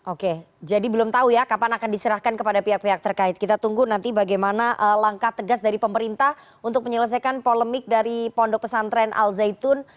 oke jadi belum tahu ya kapan akan diserahkan kepada pihak pihak terkait kita tunggu nanti bagaimana langkah tegas dari pemerintah untuk menyelesaikan polemik dari pondok pesantren al zaitun